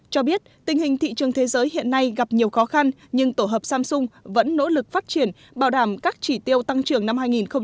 cho biết tình hình thị trường thế giới hiện nay gặp nhiều khó khăn nhưng tổ hợp samsung vẫn nỗ lực phát triển bảo đảm các chỉ tiêu tăng trưởng năm hai nghìn một mươi chín